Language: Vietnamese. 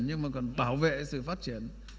nhưng mà còn bảo vệ sự phát triển